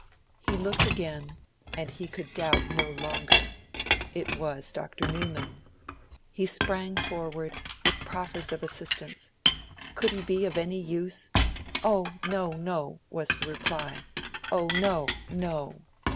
He looked again, and he could doubt no longer. It was Dr. Newman. He sprang forward, with proffers of assistance. Could he be of any use? 'Oh no, no!' was the reply. 'Oh no, no!'